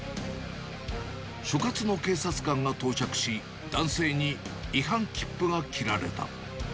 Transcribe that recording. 所轄の警察官が到着し、男性に違反切符が切られた。